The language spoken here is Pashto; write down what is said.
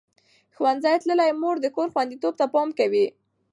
ښوونځې تللې مور د کور خوندیتوب ته پام کوي.